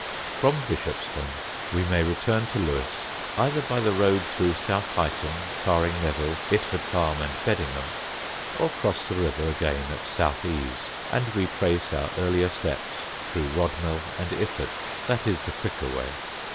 From Bishopstone we may return to Lewes either by the road through South Heighton, Tarring Neville, Itford Farm, and Beddingham, or cross the river again at Southease, and retrace our earlier steps through Rodmell and Iford. That is the quicker way.